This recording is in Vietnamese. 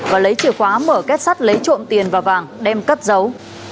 và lấy chìa khóa mở kết sắt lấy trộm tiền và vàng đem cất giấu